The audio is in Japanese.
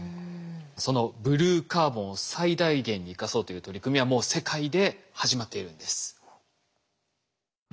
そのブルーカーボンを最大限に生かそうという取り組みはもう世界で始まっているんです。